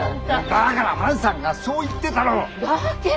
だから万さんがそう言ってたろう！だけど！